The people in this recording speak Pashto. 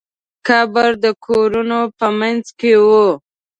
قبر د کورونو په منځ کې و.